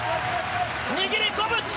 握りこぶし！